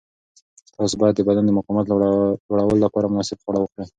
تاسو باید د بدن د مقاومت لوړولو لپاره مناسب خواړه وخورئ.